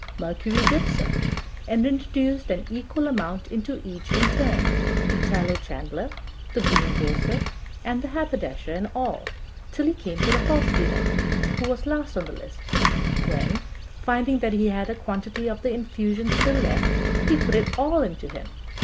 Mercury did so, and introduced an equal amount into each in turn the tallow chandler, and the greengrocer, and the haberdasher, and all, till he came to the horse dealer, who was last on the list, when, finding that he had a quantity of the infusion still left, he put it all into him.